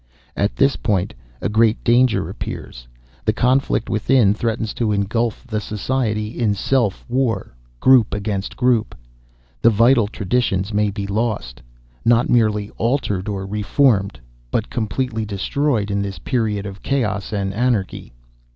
"At this point, a great danger appears. The conflict within threatens to engulf the society in self war, group against group. The vital traditions may be lost not merely altered or reformed, but completely destroyed in this period of chaos and anarchy.